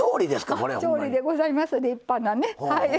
調理でございます立派なねはい。